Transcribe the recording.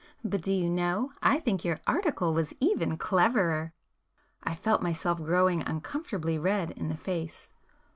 But do you know I think your article was even cleverer?" I felt myself growing uncomfortably red in the face.